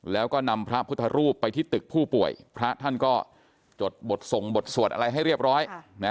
แล้วก็นำพระพุทธรูปไปที่ตึกผู้ป่วยพระท่านก็จดบทส่งบทสวดอะไรให้เรียบร้อย